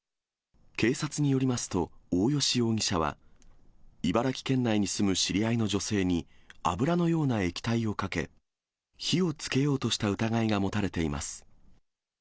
警察によりますと、大吉容疑者は、茨城県内に住む知り合いの女性に、油のような液体をかけ、火をつけようとした疑いが持たれています。